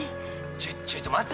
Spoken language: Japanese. ちちょいと待って。